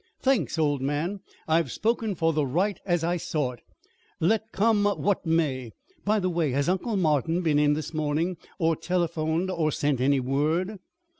"Thanks, old man! I've spoken for the right as I saw it, let come what may. By the way, has Uncle Martin been in this morning, or telephoned, or sent any word?"